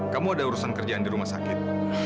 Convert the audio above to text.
kamu ada urusan kerjaan di rumah sakit